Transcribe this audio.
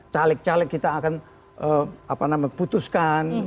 caleg caleg kita akan putuskan